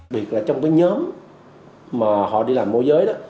biệt là trong cái nhóm mà họ đi làm môi giới đó